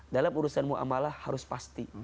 dalam urusanmu amalah harus pasti